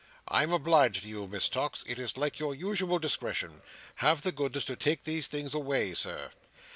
I am obliged to you, Miss Tox; it is like your usual discretion. Have the goodness to take these things away, Sir!"